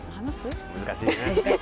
難しいね。